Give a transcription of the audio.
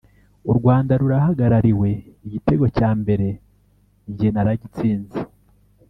u Rwanda rurahagarariwe igitego cya mbere njye naragitsinze